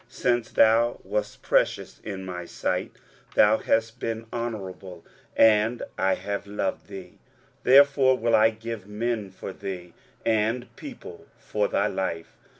23:043:004 Since thou wast precious in my sight, thou hast been honourable, and I have loved thee: therefore will I give men for thee, and people for thy life.